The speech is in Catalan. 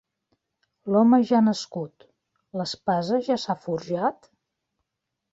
L"home ja ha nascut, l"espasa ja s"ha forjat?